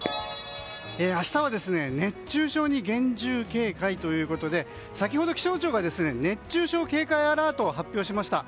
明日は熱中症に厳重警戒ということで先ほど気象庁が熱中症警戒アラートを発表しました。